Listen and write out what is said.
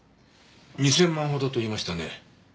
２０００万ほどと言いましたね。